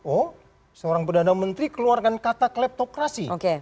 oh seorang perdana menteri keluarkan kata kleptokrasi